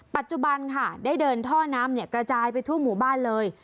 ปัจจุบันค่ะได้เดินท่อน้ำกระจายไปทั่วหมู่บ้านเลย